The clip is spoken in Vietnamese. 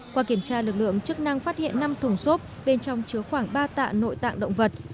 qua kiểm tra lực lượng chức năng phát hiện năm thùng xốp bên trong chứa khoảng ba tạ nội tạng động vật